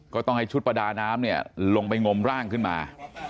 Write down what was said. ก็ต้องให้ชุดประดาน้ำเนี่ยลงไปงมร่างขึ้นมา